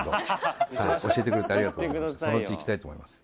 ちょっとそのうち行きたいと思います